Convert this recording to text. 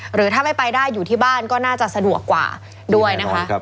หรือถ้าไม่ไปได้อยู่ที่บ้านก็น่าจะสะดวกกว่าด้วยนะคะ